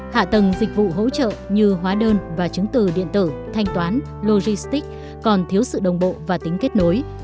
hạ tầng dịch vụ hỗ trợ như hóa đơn và chứng từ điện tử thanh toán logistic còn thiếu sự đồng bộ và tính kết nối